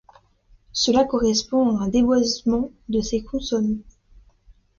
Cela correspond à un dévoisement de ces consonnes.